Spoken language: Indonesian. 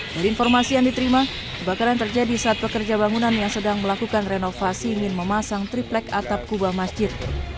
dari informasi yang diterima kebakaran terjadi saat pekerja bangunan yang sedang melakukan renovasi ingin memasang triplek atap kubah masjid